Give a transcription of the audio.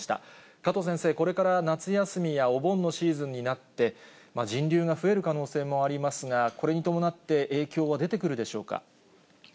加藤先生、これから夏休みやお盆のシーズンになって、人流が増える可能性もありますが、これに伴って、影響は出てくるでしょうか。